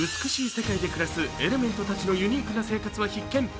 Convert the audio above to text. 世界で暮らすエレメントたちのユニークな生活は必見。